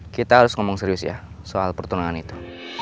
kita harus ngomong serius ya soal pertunangan itu